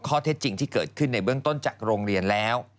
ข้อเท็จจริงที่เกิดขึ้นในเบื้องต้นจากโรงเรียนแล้ว